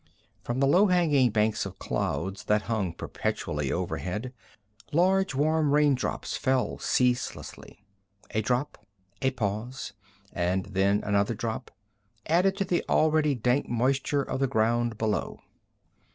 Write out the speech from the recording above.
From the low hanging banks of clouds that hung perpetually overhead, large, warm raindrops fell ceaselessly. A drop, a pause, and then another drop, added to the already dank moisture of the ground below.